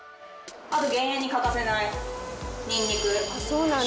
あと減塩に欠かせないニンニク生姜とかさ。